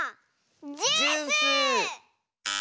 ジュース！